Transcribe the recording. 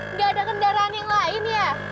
nggak ada kendaraan yang lain ya